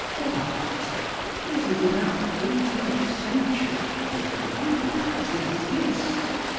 What! is it in our eighteenth century that vampires exist?